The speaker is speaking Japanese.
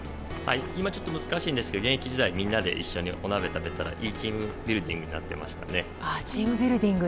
今、ちょっと難しいですが現役時代は、みんなでお鍋を食べたらいいチームビルディングになってましたね。